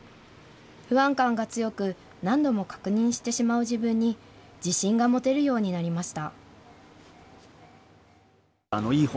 不安感が強く、何度も確認してしまう自分に自信が持てるようになりました。